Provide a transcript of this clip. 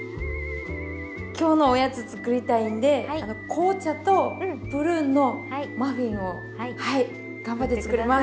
今日のおやつ作りたいんで紅茶とプルーンのマフィンを頑張って作ります。